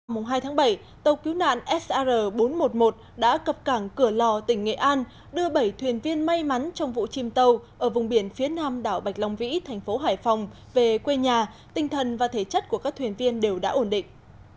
mùng hai tháng bảy tàu cứu nạn sr bốn trăm một mươi một đã cập cảng cửa lò tỉnh nghệ an đưa bảy thuyền viên may mắn trong vụ chìm tàu ở vùng biển phía nam đảo bạch long vĩ thành phố hải phòng về quê nhà tinh thần và thể chất của các thuyền viên đều đã ổn định